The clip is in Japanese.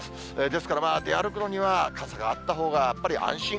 ですからまあ、出歩くには傘があったほうがやっぱり安心。